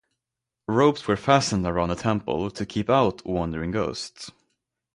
Ropes were fastened around the temples to keep out wandering ghosts.